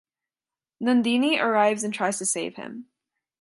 Nandini arrives and tries to save him.